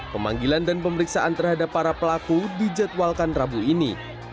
pemanggilan dan pemeriksaan terhadap para pelaku dijadwalkan rabu ini